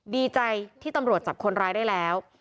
ดีใจที่ตำรวจจับคนร้ายได้แล้ว